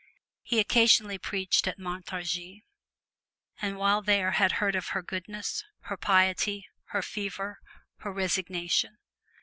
He occasionally preached at Montargis, and while there had heard of her goodness, her piety, her fervor, her resignation.